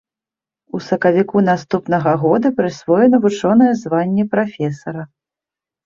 У сакавіку наступнага года прысвоена вучонае званне прафесара.